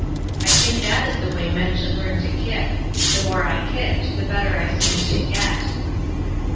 I think that is the way men should learn to kick. The more I kicked, the better I seemed to get."